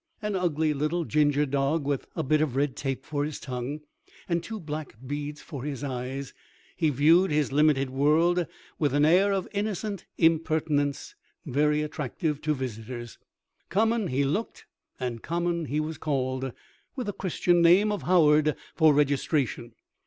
An ugly little ginger dog, with a bit of red tape for his tongue and two black beads for his eyes, he viewed his limited world with an air of innocent impertinence very attractive to visitors. Common he looked and Common he was called, with a Christian name of Howard for registration.